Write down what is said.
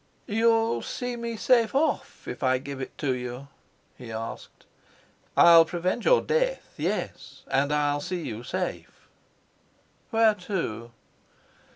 "You'll see me safe off if I give it you?" he asked. "I'll prevent your death. Yes, and I'll see you safe." "Where to?"